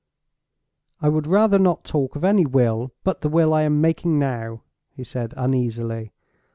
"I would rather not talk of any will but the will I am making now," he said uneasily.